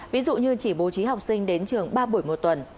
ví dụ như chỉ bố trí học sinh đến trường ba buổi một tuần